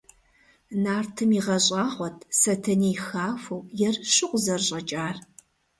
Нартым игъэщӀагъуэт Сэтэней хахуэу, ерыщу къызэрыщӀэкӀар.